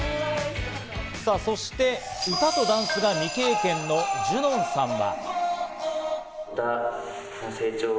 さぁそして歌とダンスが未経験のジュノンさんは。